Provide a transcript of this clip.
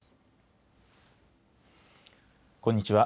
こんにちは。